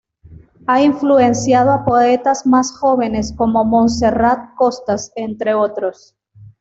Ha influenciado a poetas más jóvenes como Montserrat Costas entre otros.